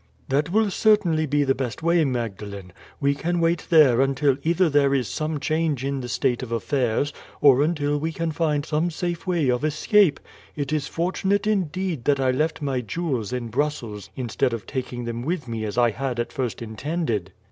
"That will certainly be the best way, Magdalene. We can wait there until either there is some change in the state of affairs, or until we can find some safe way of escape. It is fortunate, indeed, that I left my jewels in Brussels, instead of taking them with me as I had at first intended.